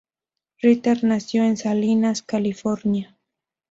Ritter nació en Salinas, California.